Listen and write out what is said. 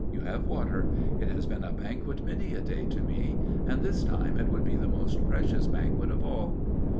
You have water. It has been a banquet many a day to me, and this time it would be the most precious banquet of all."